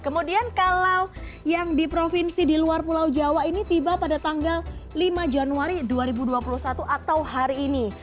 kemudian kalau yang di provinsi di luar pulau jawa ini tiba pada tanggal lima januari dua ribu dua puluh satu atau hari ini